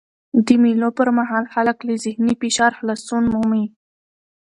د مېلو پر مهال خلک له ذهني فشار خلاصون مومي.